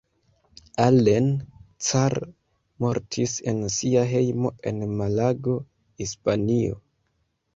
Allen Carr mortis en sia hejmo en Malago, Hispanio.